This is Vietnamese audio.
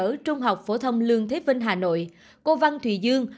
trường trung học phổ thông lương thế vinh hà nội cô văn thùy dương